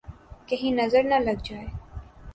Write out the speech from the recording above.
!کہیں نظر نہ لگ جائے